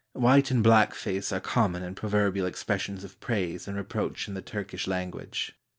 White and blackface are common and proverbial expressions of praise and reproach in the Turkish lan 491 TURKEY guage.